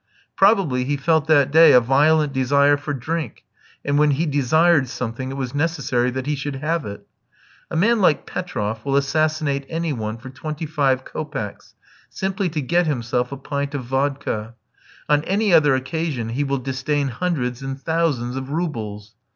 Probably he felt that day a violent desire for drink, and when he desired something it was necessary that he should have it. A man like Petroff will assassinate any one for twenty five kopecks, simply to get himself a pint of vodka. On any other occasion he will disdain hundreds and thousands of roubles.